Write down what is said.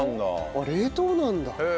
あっ冷凍なんだ。